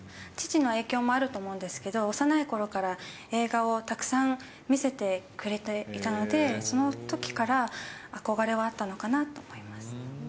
父の影響もあると思うんですけど、幼いころから映画をたくさん見せてくれていたので、そのときから憧れはあったのかなと思います。